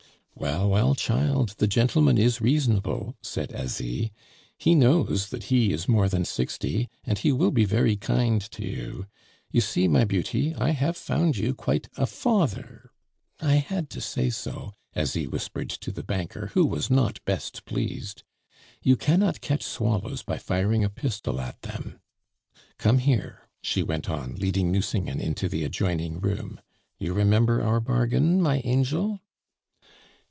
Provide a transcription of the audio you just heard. "Well, well, child, the gentleman is reasonable," said Asie. "He knows that he is more than sixty, and he will be very kind to you. You see, my beauty, I have found you quite a father I had to say so," Asie whispered to the banker, who was not best pleased. "You cannot catch swallows by firing a pistol at them. Come here," she went on, leading Nucingen into the adjoining room. "You remember our bargain, my angel?"